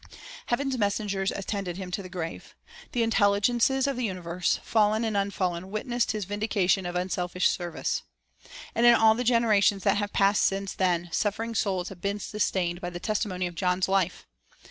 Heaven's messengers attended him to the grave. The intelligences of the universe, fallen and unfallen, witnessed his vindication of unselfish service. And in all the generations that have passed since 1 John o : 3° 158 The Bible as an Educator then, suffering souls have been sustained by the testi mony of John's life.